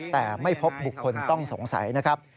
แต่ไม่พบบุคคลต้องสงสัยนะครับ